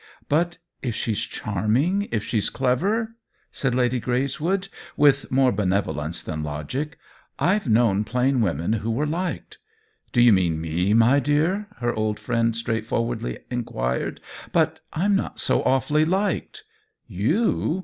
" But if she's charming, if she's clever !" 4 THE WHEEL OF TIME said Lady Greyswood, with more benevo lence than logic. " I've known plain wom en who were liked." "Do you mean tne^ my dear?" her old friend straightforwardly inquired. " But I'm not so awfully liked." "You?"